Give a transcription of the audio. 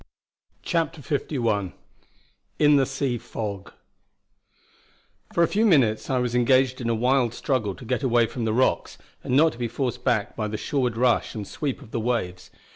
CHAPTER LI IN THE SEA FOG For a few minutes I was engaged in a wild struggle to get away from the rocks, and not to be forced back by the shoreward rush and sweep of the waves.